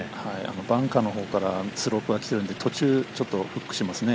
バンカーのほうからストロークが来てるんで途中、ちょっとフックしますね